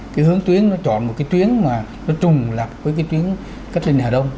cái hướng tuyến nó chọn một cái tuyến mà nó trùng lập với cái tuyến cách trình hà đông